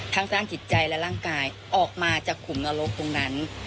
ทั้งสร้างจิตใจและร่างกายออกมาจากขุมนรกตรงนั้น